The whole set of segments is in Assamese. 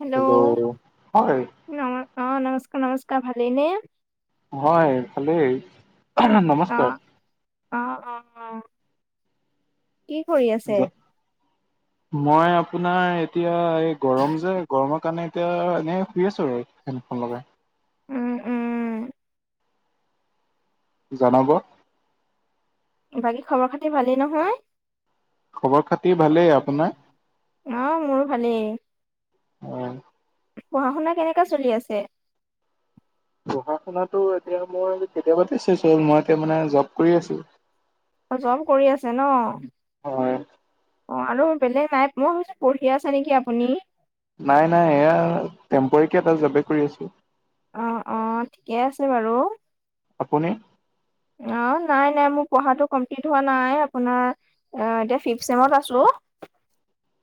হেল্ল' অ নমস্কাৰ নমস্কাৰ নমস্কাৰ। ভালেই নে? হয় ভালেই, অ নমস্কাৰ। অ অ অ কি কৰি আছে? জ- মই আপোনাৰ এতিয়া এই গৰম যে গৰমৰ কাৰণে এতিয়া এনেই শুই আছোঁ আৰু ফেনখন লগাই। উম', উম' জনাব। বাকী খবৰ খাতি ভালেই নহয়? খবৰ খাতি ভালেই আপোনাৰ [inaudible] অ' মোৰ ভালেই, হয়, পঢ়া শুনা কেনেকা চলি আছে? পঢ়া শুনাটো এতিয়া মই কেতিয়াবাতে চেছ হ'ল, মই এতিয়া মানে জব কৰি আছোঁ। অ' জব কৰি আছে ন? অ' অ', আৰু বেলেগ নাই, মই ভাবিছোঁ পঢ়ি আছে নেকি আপুনি? নাই, নাই এয়া টেম্পোৱাৰিকে এটা জবে কৰি আছোঁ। অ', অ', ঠিকে আছে বাৰু। আপুনি? অ', নাই, নাই মোৰ পঢ়াটো কমপ্লিট হোৱা নাই, আপোনাৰ এতিয়া ফিফ্ট চেমত আছোঁ।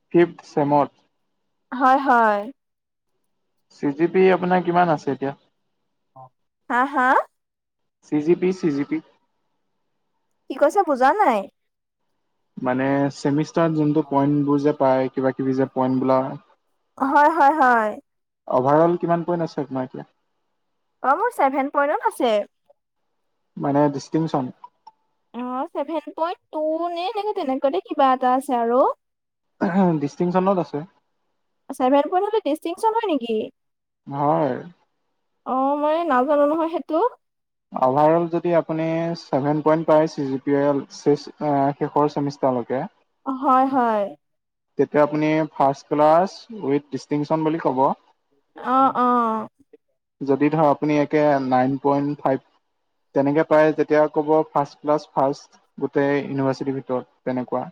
ফিফ্ট ছেমত। হয়', হয়। চি জি পি আপোনাৰ কিমান আছে এতিয়া? হা', হা'? C G P, C G P কি কৈছ বুজা নাই মানে চেমিষ্টাৰত যোনটো পইণ্টবোৰ যে পায়, কিবা কিবি যে পইন্ট বুলা হয়, হয়, হয়। অভাৰ অল কিমান পইণ্ট আছে তোমাৰ এতিয়া? অ' মোৰ ছেভেন পইণ্টত আছে। মানে ডিষ্টিংচন। অ' চেভেন পইণ্ট টু নে এনেকে তেনেকুৱা তে কিবা এটা আছে আৰু। ডিষ্টিংশ্যনত আছে? ছেভেন পইণ্ট হলে ডিষ্টিংশ্যন হয় নেকি? হয়। অ' মই নাজানো নহয় সেইটো। অভাৰ অল যদি আপুনি ছেভেন পইণ্ট পায়, চি জি পি চেছ এ শেষৰ চেমিষ্টাৰলেকে হয়, হয়। তেতিয়া আপুনি ফাষ্ট ক্লাছ উইথ ডিষ্টিংশ্যন বুলি ক'ব। অ অ। যদি ধৰ আপুনি একে নাইন পইণ্ট ফাইপ তেনেকে পায়, যেতিয়া ক'ব ফাৰ্ষ্ট ক্লাছ ফাৰ্ষ্ট, গোটেই ইউনিভাৰ্চিটিৰ ভিতৰত তেনেকুৱা।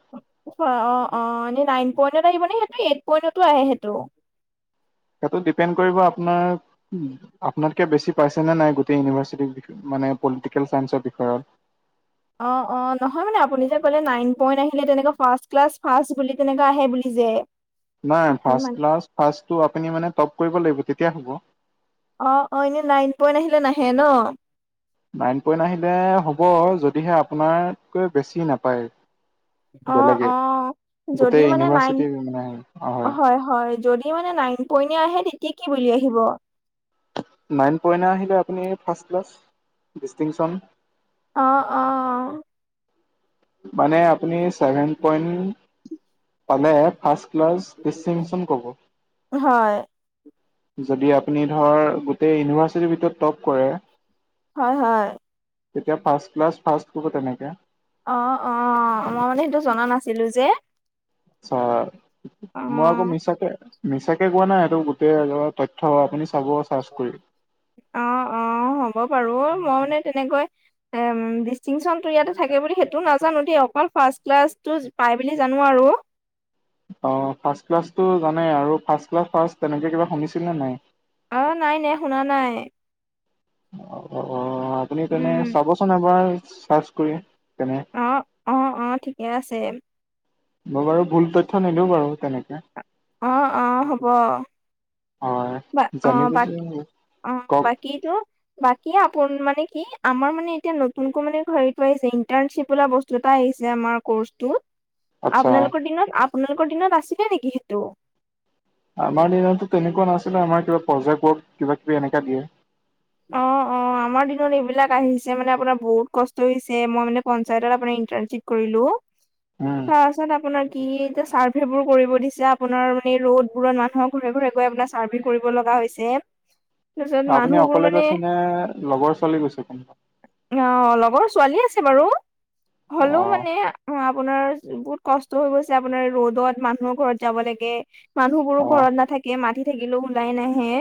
অ অ অ', এনেই নাইন পইন্টত আহিব নে সেইটো, এইট পইন্টতো আহে সেইটো? সেইটো ডিপেণ্ড কৰিব আপোনাৰ আপোনাতকে বেছি পাইছে নে নাই গোটেই ইউনিভাৰ্চিটিৰ ভিত মানে পলিটিকেল চাইঞ্চৰ বিষয়ত। অ' অ', নহয় মানে আপুনি যে ক'লে নাইন পইণ্ট আহিলে তেনেকুৱা ফাৰ্ষ্ট ক্লাছ ফাৰ্ষ্ট বুলি তেনেকুৱা আহে বুলি যে নাই ফাৰ্ষ্ট ক্লাছ ফাৰ্ষ্টটো আপুনি মানে টপ কৰিব লাগিব তেতিয়া হ'ব। অ' অ', এইনে নাইন পইণ্ট আহিলে নাহে ন? নাইন পইণ্ট আহিলে হ'ব, যদিহে আপোনাৰতকৈ বেছি নাপায়। অ' বেলেগে। অ', যদি গোটেই মানে নাইন, ইউনিভাৰ্চিটি মানে হয়, হয়, যদি মানে নাইন পইনে আহে তেতিয়া কি বুলি আহিব? নাইন পইনে আহিলে আপুনি ফাৰ্ষ্ট ক্লাছ, ডিষ্টিংশ্যন অ', অ'। মানে আপুনি চেভেন পইণ্ট পালে, ফাৰ্ষ্ট ক্লাছ ডিষ্টিংশ্যন ক'ব। হয় যদি আপুনি ধৰ গোটেই ইউনিভাৰ্চিটি ভিতৰত টপ কৰে। হয় হয়। তেতিয়া ফাৰ্ষ্ট ক্লাছ ফাৰ্ষ্ট ক'ব তেনেকে। অ অ, মই মানে সেইটো জনা নাছিলো যে। [unintelligible] অ মই আকৌ মিছাকে মিছাকে কোৱা নাই সেইটো গোটেই একেবাৰে তথ্য আপুনি চাব চাৰ্চ কৰি। অ অ, হ'ব বাৰু মই মানে তেনেকৈ এম ডিষ্টিংশ্যন টো ইয়াতে থাকে বুলি সেইটো নাজানো দেই অকল ফাষ্ট ক্লাছ টো পাই বুলি জানো আৰু। অ ফাষ্ট ক্লাছটো জানে, আৰু ফাষ্ট ক্লাছ ফাষ্ট তেনেকে কিবা শুনিছিল নে নাই? অ নাই নাই শুনা নাই। অ অ, আপুনি তেনে উম চাবচোন এবাৰ চাৰ্চ কৰি তেনে। অঁ অঁ অঁ ঠিকে আছে। মই বাৰু ভুল তথ্য নিদো বাৰু তেনেকে। অ অ হ'ব। হয়। বা জানি অ' বুজি বাকী অ', কওক বাকীটো বাকী আপোন মানে কি আমাৰ মানে এতিয়া নতুনকৈ মানে হেৰিটো আহিছে ইণ্টাৰ্ণশ্বিপ বোলা বস্তু দুটা আহিছে আমাৰ কৰ্চটোত আচ্ছা আপোনালোকৰ দিনত আপোনালোকৰ দিনত আছিলে নেকি সেইটো? আমাৰ দিনতো তেনেকুৱা নাছিলে আমাৰ কিবা প্ৰজেক্ট ৱৰ্ক কিবা কিবি এনেকা দিয়ে। অ', অ', অ', আমাৰ দিনত এইবিলাক আহিছে মানে আপোনাৰ বহুত কষ্ট হৈছে মই মানে পঞ্চায়তত আপোনাৰ ইন্টাৰ্শ্বিপ কৰিলোঁ। [inaudible] উম, তাৰ পাছত আপোনাৰ কি এ চাৰ্ভে বোৰ কৰিব দিছে আপোনাৰ মানে ৰোড বোৰত মানুহক ঘৰে ঘৰে গৈ আপোনাৰ চাৰ্ভে কৰিব লগা হৈছে, তাৰপিছত মানুহবোৰ মানে মানে লগৰ ছোৱালী গৈছে কোনোবা অ', লগৰ ছোৱালী আছে বাৰু হলেও অ', মানে আপোনাৰ বহুত কষ্ট হৈ গৈছে আপোনাৰ ৰ'দত মানুহৰ ঘৰত যাব লাগে। মানুহবোৰো অ', ঘৰত নাথাকে মাতি থাকিলেও ওলাই নাহে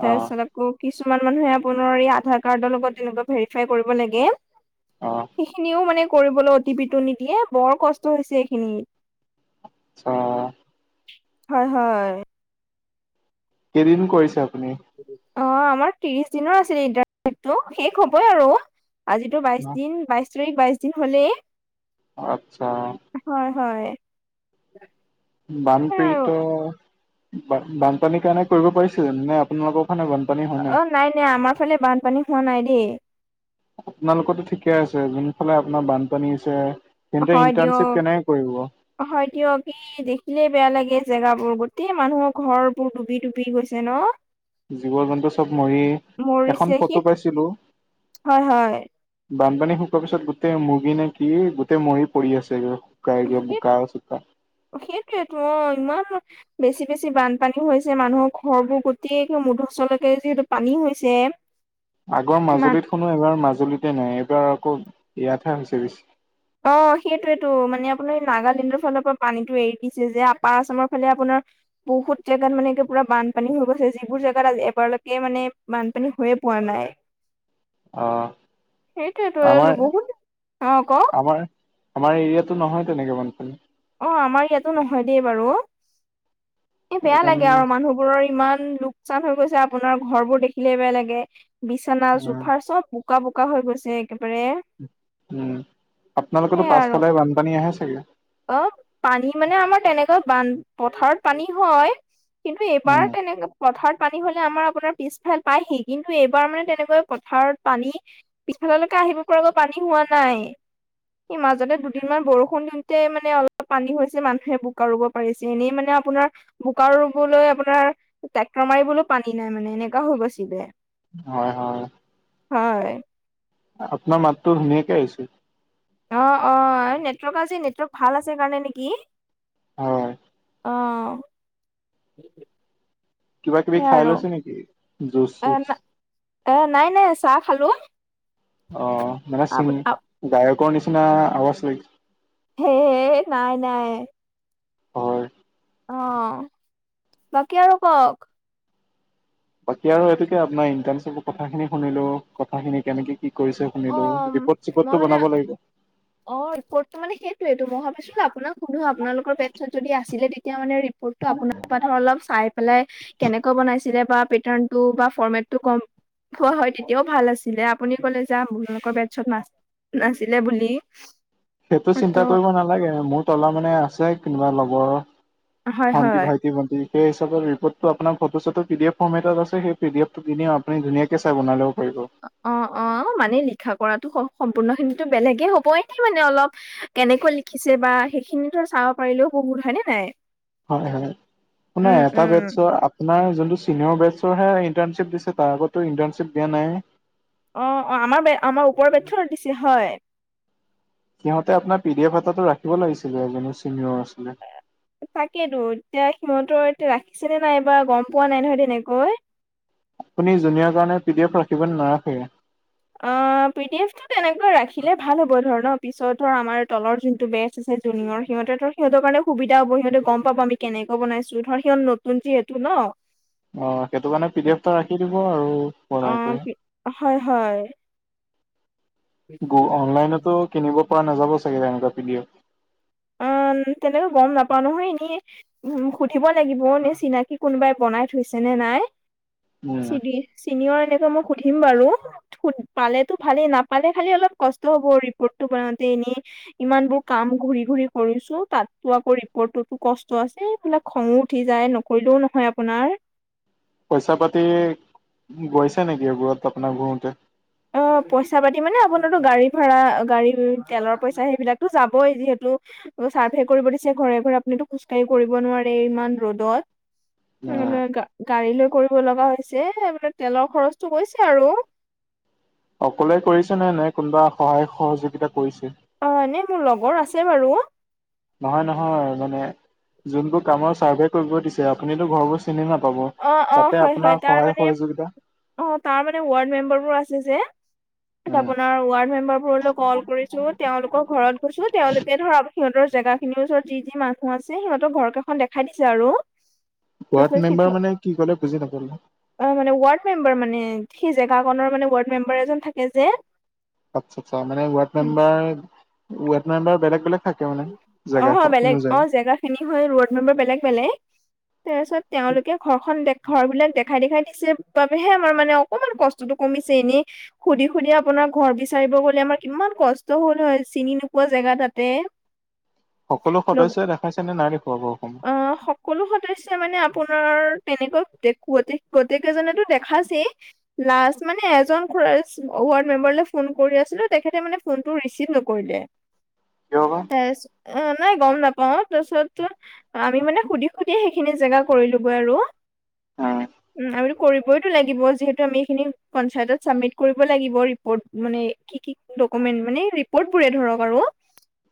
তাৰ অ', পিছত আকৌ কিছুমান মানুহে আপোনাৰ এই আধাৰ কাৰ্ডৰ লগত তেনেকুৱা ভেৰিফাই কৰিব লাগে। অ', সেইখিনিও মানে কৰিবলৈ অতিপিটো নিদিয়ে বৰ কষ্ট হৈছে এইখিনি অ', হয়, হয়। কেইদিন কৰিছে আপুনি? অ', আমাৰ ত্ৰিশ দিনৰ আছিল ইণ্টাৰ্ণশ্বিপটো শেষ হ'বই আৰু। আজিতো বাইশ দিন বাইশ তাৰিখ বাইশ দিন হলেই আচ্ছা। হয়, হয় সেয়া আৰু বানপীড়িত বানপানীৰ কাৰণে কৰিব পাৰিছে জানো নে আপোনালোকৰ ফালে বান অ', নাই - নাই, আমাৰ ফালে বানপানী হোৱা নাই দেই। আপোনালোকৰ টো ঠিকে আছে যোনফালে আপোনাৰ বানপানী হৈছে তেন্তে হয় ইণ্টাৰ্ণশ্বিপ দিয়ক, কেনেকে কৰিব হয় দিয়ক এই দেখিলে বেয়া লাগে জেগাবোৰ গোটেই মানুহৰ ঘৰ বোৰ ডুবি ডুবি গৈছে ন'। জীৱ জন্তু চব মৰি মৰিছে এখন সেই ফটো পাইছিলোঁ হয় হয় বানপানী শুকোৱা পিছত গোটেই মুৰ্গী নেকি গোটেই মৰি পৰি আছে [unintelligible] [unintelligible] সেই বোকা চোকা অ', সেইটোৱেতো ইমান বেছি বেছি বানপানী হৈছে মানুহৰ ঘৰবোৰ গোটেই মুধচলকে যিহেতু পানী হৈছে। [inaudible] আগৰ ইমান মাজুলীত হেনো এইবাৰ মাজুলীতে নাই এইবাৰ আকৌ ইয়াতহে হৈছে বেছি। অ', সেইটোয়েতো, মানে আপোনাৰ নাগালেণ্ডৰ ফালৰ পৰা পানীটো এৰি দিছে যে, আপাৰ আছামৰ ফালে আপোনাৰ বহুত জেগাত মানে একে পুৰা বানপানী হৈ গৈছে, যিবোৰ জেগাত আজি এবাৰলৈকে মানে বানপানী হৈয়ে পোৱা নাই। অ আমাৰ সেইটোয়েটো বহুত অ', ক আমাৰ আমাৰ এৰিয়াতো নহয় তেনেকে বানপানী। অ', আমাৰ ইয়াতো নহয় দেই বাৰু। এ বেয়া লাগে সেইকাৰণে আৰু মানুহবোৰৰ ইমান লোকচান হৈ গৈছে, আপোনাৰ ঘৰবোৰ দেখিলে বেয়া লাগে। বিছনা উম চোফাৰ চব বোকা, বোকা হৈ গৈছে একেবাৰে। উম, আপোনালোকৰতো সেইয়া আৰু পাছফালে বানপানী আহে চাগে? অ', পানী মানে আমাৰ তেনেকৈ বান, পথাৰত পানী হয় কিন্তু উম, এইবাৰ তেনেকা পথাৰত পানী হ'লে আমাৰ আপোনাৰ পিছফাল পায়হি, কিন্তু এইবাৰ মানে তেনেকৈ পথাৰত পানী পিছফাললৈকে আহিব পৰাকৈ পানী হোৱা নাই, সেই মাজতে দুদিনমান বৰষুণ দিওঁতে মানে এনে অলপ পানী হৈছে, মানুহে বোকা ৰুব পাৰিছে, এনেই মানে আপোনাৰ বোকা ৰুবলৈ আপোনাৰ ট্ৰেক্টৰ মাৰিবলৈ পানী নাই, মানে এনেকুৱা হৈ গৈছিলে। হয়, হয়। হয়। আপোনাৰ মাতটো ধুনীয়াকে আহিছে। অ', অ', নেটৱৰ্ক আজি নেটৱৰ্ক ভাল আছে কাৰণে নেকি। হয়। অ'। কিবা কিবি সেয়া খাই আৰু লৈছে নেকি? জুচ এ চুচ। এ নাই, নাই চাহ খালোঁ। অ', মানে চিং, গায়কৰ নিচিনা আৱাজ আহিছে। হেই, নাই, নাই। হয়। অ', বাকী আৰু কওক। বাকী আৰু এইটোকে আপোনাৰ ইন্টাৰ্নশ্বিপৰপৰ কথাখিনি শুনিলোঁ, কথাখিনি কেনেকে কি কৰিছে অ শুনিলোঁ, ৰিপৰ্ট মই চিপৰ্টটো মানে বনাব লাগিব। অ', ৰিপৰ্টটো মানে সেইটোয়েইটো মই ভাবিছিলোঁ, আপোনাক সুধোঁ, আপোনালোকৰ ৱেটছত যদি আছিলে তেতিয়া মানে ৰি পৰ্টটো, আপোনাৰ পৰা ধৰ অলপ চাই পেলাই কেনেকে বনাই ছিলে বা পেৰ্টানটো বা ফৰ্মেটটো ক কোৱা হয়, তেতিয়াও ভাল আছিলে আপুনি কলে যাম, আপোনালোকৰ বেটছত না নাছিলে বুলি। সেইটো ত চিন্তা কৰিব নালাগে, মোৰ তলৰ মানে আছে কোনোবা লগৰ হয় ভণ্টি হয় ভাই সেই হিচাপে ৰিপৰ্টটো আপোনাৰ ফটো চতটো পি ডি এফ ফৰ্ম এটত আ সেই পি এফটো দিওঁ আপুনি ধুনীয়াকে চাই বনাই ল'ব পাৰিব। অ', অ', আমাৰ মানে লিখা কৰাটো স সম্পূৰ্ণখিনিটো বেলেগে হ'ব, এনেই মানে অলপ কেনেকৈ লিখিছে বা সেইখিনি ধৰা চাব পাৰিলেও বহুত হয় নে নাই? হয়, হয়, আপোনাৰ উম এটা উম বেটছৰ আপোনাৰ যোনটো চিনিয়ৰ বেটছৰহে ইণ্টাৰ্শ্বিপ দিছে, তাৰ আগততো ইটাৰ্ণশ্বিপ দিয়া নাই। অ', অ', আমাৰ বে আমাৰ ওপৰৰ বেটচৰ দিছে, হয়। সিহঁতে আপোনাৰ পি ডি এফ এটাতো ৰাখিব লাগিছিলে, এজনী চিনিয়ৰ আছিলে। তাকেইতো, এতিয়া সিহঁতৰ এতিয়া ৰাখিছেনে নাইবা গ'ম পোৱা নাই নহয় তেনেকৈ। তুমি জুনিয়ৰ কাৰণে পি ডি এফ ৰাখিব নে নোৱোৰা চাগে। অ', পি ডি এফ টো তেনেকৈ ৰাখিলে ভাল হ'ব ধৰ ন পিছত ধৰ আমাৰ তলৰ যোনটো বেটছ জুনিয়ৰ সিহঁৰ সিহঁৰ কাৰণ সুবিধা হ'ব সিহঁতে গ'ম পাব আমি কেনেক বনাইছো ধৰ সিহত নতুন যিহেতু ন। [inaudible] অ', সেইটো কাৰণে পি ডি এফ এটা ৰাখি দিব আৰু বনাই কৰি। অ' হয়, হয়। গো, অনলাইনতো কিনিব পৰা নাযাব চাগে তেনেকুৱা পি ডি এফ। অ', তেনেকৈ গ'ম নাপাওঁ নহয় এনে উম সুধিব লাগিব নে চিনাকি কোনোবাই বনাই থৈছে নে নাই উম চিদি চিনিয়ৰ এনেকে মই সুধিম বাৰু। সুধ পালেতো ভালে নাপালে খালি অলপ কষ্ট হ'ব ৰিপৰ্টটো বনাওঁতে এনেই ইমান বোৰ কাম ঘূৰি ঘূৰি কৰিছো তাতো আকৌ ৰিপৰ্টো কষ্ট আছে এইফালে খংও উঠি যায় নকৰিলেও নহয় আপোনাৰ। পইচা পাতি গৈছে নেকি এইবোৰত আপোনাৰ ঘুৰোতে? অ পইচা পাতি মানে আপোনাৰো গাড়ী ভাড়া গাড়ী তেলৰ পইচা সেইবিলাকতো যাবই যিহেতু চাৰ্ভে কৰিব দিছে ঘৰে ঘৰে আপুনিতো খোজকাঢ়ি কৰিব নোৱাৰে ইমান ৰ'দত। মানে গা-গা-গাড়ী লৈ কৰিব লগা হৈছে মানে তেলৰ খৰচটো গৈছে আৰু। অকলে কৰিচা নে নে কোনোবা সহায় সহযোগিতা কৰিছে? অ এনেই মোৰ লগৰ আছে বাৰু। নহয় নহয় মানে যোনবোৰ কামৰ ছাৰ্ভে কৰিব দিছে আপুনিতো ঘৰবোৰ চিনি নাপাব। অ', অ', তাতে হয়, হয়, আপোনাৰ তাৰ সহায় মানে সহযোগিতা। অ তাৰ মানে ৱাৰ্ড মেম্বাৰ বোৰ আছে যে। উম আপোনাৰ ৱাৰ্ড মেম্বাৰ বোৰলৈ কল কৰিছো। তেওঁলোকৰ ঘৰত গৈছো তেওঁলোকে ধৰ সিহঁতৰ জেগা খিনিৰ ওচৰত যি যি মানুহ আছে সিহঁতৰ ঘৰ কেইখন দেখ দেখাই দিছে আৰু তাৰপিছত ৱাৰ্ড মেম্বাৰ সেইটো মানে কি কলে বুজি নাপালো? অ মানে ৱাৰ্ড মেম্বাৰ মানে সেই জেগাখনৰ মানে ৱাৰ্ড মেম্বাৰ এজন থাকে যে। আচ্ছা আচ্ছা মানে ৱাৰ্ড মেম্বাৰ ৱাৰ্ড মেম্বাৰ বেলেগ বেলেগ থাকে মানে অ জেগা বেলেগ অ অনুযায়ী জেগা খিনি হয় ৱাৰ্ড মেম্বাৰ বেলেগ বেলেগ। তাৰপিছত তেওঁলোকে ঘৰখন দে ঘৰ বিলাক দেখাই দেখাই দিছে বাবেহে আমাৰ মানে অ অকমান কষ্টটো কমিছে এনেই সুধি সুধি আপোনাৰ ঘৰ বিচাৰিব গলে আমাৰ কিমান কষ্ট হল হয় চিনি নোপোৱা জেগা তাতে। সকলো লগ সদস্যাই দেখাইছে নে নাই দেখুৱাবাওঁ অসমত? অ সকলো সদস্যই মানে আপোনাৰ তেনেকৈ গোটেই গোটেইকেইজনেতো দেখাইছে। লাষ্ট মানে এজন ৱাৰ্ড মেম্বাৰলৈ ফোন কৰি আছিলো তেখেতে মানে ফোনটো ৰিচিভ নকৰিলে। কিয় বা। হেচ নাই গম নাপাও তাৰপিছত আমি মানে সুধি সুধিয়ে সেইখিনি জেগা কৰি লো গৈ আৰু। উম আমিটো কৰিবইতো লাগিব যিহেতু আমি এইখিনি পঞ্চায়তত চাবমিট কৰিব লাগিব ৰিপৰ্ট মানে কি কি ডকুমেন্ট মানে ৰিপৰ্ট বোৰেই ধৰক আৰু।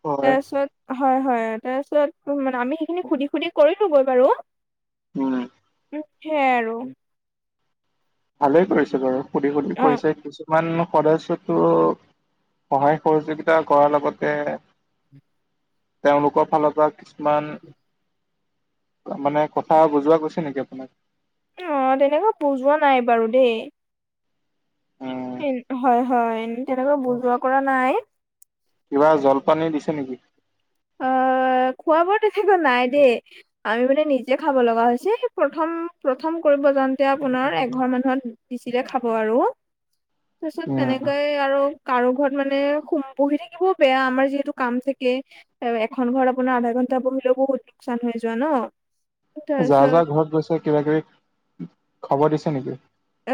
হয়। তাৰিছত হয় হয় তাৰপিছত মানে আমি সেইখিনি সুধি সুধি কৰিলো গৈ বাৰু। উম। সেই আই আৰু। ভালে কৰিছে বাৰু সুধি সুধি অ কৰিছে কিছুমান সদস্যাটো সহায় সহযোগিতা কৰাৰ লগতে তেওঁলোকৰ ফালৰ পৰা কিছুমান মানে কথা বুজোৱা গৈছে নেকি আপোনাক? অ তেনেকা বুজোৱা নাই বাৰু দেই। উম, [unintelligible] হয়। হয় তেনেকৈ বুজোৱা কৰা নাই। কিবা জলপানী দিছে নেকি? অ খোৱা বোৱা তথাপিও নাই দেই। আমি মানে নিজে খাব লগা হৈছে সেই প্ৰথম প্ৰথম কৰিবৰ জাওনতে আপোনাৰ এঘৰ মানুহত দিছিলে খাব আৰু তাৰপিছত উম, তেনেকৈ আৰু। কাৰো ঘৰত মানে শুম বহি থাকিবও বেয়া আমাৰ যিহেতু কাম থাকে। এ এখন ঘৰত আপোনাৰ আধা ঘণ্টা বহিলেও বহুত লোকচান হৈ যোৱা ন। যা যা তাৰপিছত ঘৰত গৈছো কিবা কিবি খবৰ দিছে নেকি?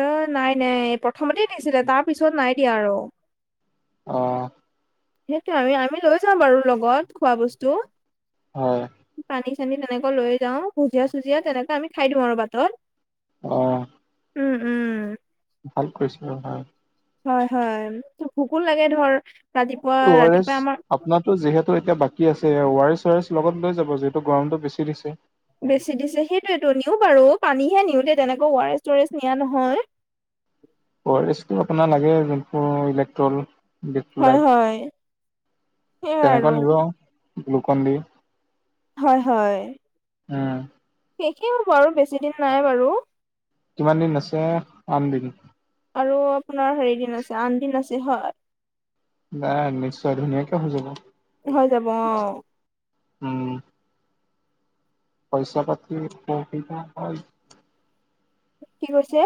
এ', নাই। নাই। প্ৰথমতে দিছিলে। তাৰ পিছত নাই দিয়া আৰু অ', সেইটো আমি আমি লৈ যাম বাৰু লগত খোৱা বস্তু হয়। পানী-চানী তেনেকৈ লৈ যাওঁ ভুজিয়া-চুজিয়া তেনেকে আমি খাই দিওঁ আৰু বাটত। অ', উম', উম, ভাল কৰিছিলো ৰহা হয়। হয়। ভোকো লাগে ধৰ ৰাতিপুৱা ৰাতিপুৱা আমাৰ ত', যিহেতু এতিয়া বাকী আছে। ৱাৰেছ- ছোৱাৰেছ লগত লৈ যাব। যিহেতু গৰমটো বেছি দিছে। বেছি দিছে। সেইটোৱেটো নিও বাৰু পানীহে নিও দেই তেনেকৈ ৱাৰেছ- ছোৱাৰেছ নিয়া নহয়। ও আৰ এছ আপোনাৰ লাগে যোনটো ইলেক্ট্ৰল হয় ইলেক্ট্ৰলাইট হয় সেইয়াই আৰু তেনেকুৱা নিব গ্লুকন দি হয়। হয়। উম', শেষে হ'ব আৰু বেছি দিন নাই বাৰু কিমান দিন আছে। আঠ দিন। আৰু আপোনাৰ হেৰিদিন আছে। আড দিন আছে হয়। নাই। নিশ্চয় ধুনীয়াকে হৈ যাব। হৈ যাব অ, উম', পইচা পাতি দিব কয়। কি কৈছে?